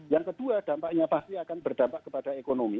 yang kedua dampaknya pasti akan berdampak kepada ekonomi